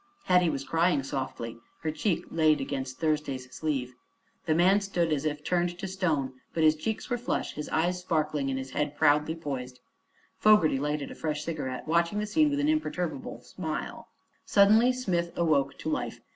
Hetty was crying softly, her cheek laid against Thursday's sleeve. The man stood as if turned to stone, but his cheeks were flushed, his eyes sparkling, and his head proudly poised. Fogerty lighted a fresh cigarette, watching the scene with an imperturbable smile. Suddenly Smith awoke to life.